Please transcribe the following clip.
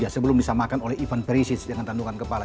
sebelum bisa makan oleh ivan perisic yang akan tandukan kepala